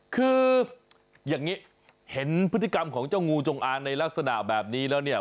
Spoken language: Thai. คืออย่างนี้เห็นพฤติกรรมของเจ้างูจงอางในลักษณะแบบนี้แล้วเนี่ย